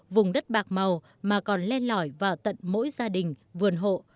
vùng đất bạc màu mà còn len lỏi vào tận mỗi gia đình vườn hộ